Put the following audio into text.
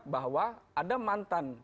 bahwa ada mantan